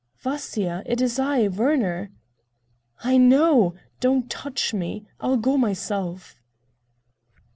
"Vasya, it is I, Werner." "I know. Don't touch me. I'll go myself."